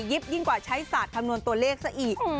ยิ่งกว่าใช้ศาสตร์คำนวณตัวเลขซะอีก